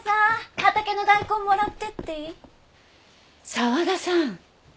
沢田さん。